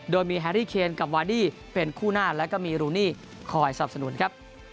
โดยมีแฮรี่เคนกับวาดี้เป็นคู่หน้าแล้วก็มีรูนี่คอยสนับสนุนครับ